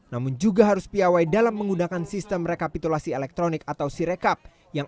namun juga harus piawai dalam menggunakan sistem rekapitulasi elektronik atau sirekap